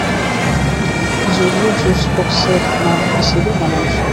যদিও জুস বক্সের নাম হিসেবে মানানসই।